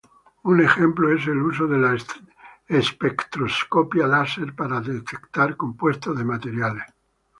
Un ejemplo es el uso de la espectroscopia láser para detectar compuestos en materiales.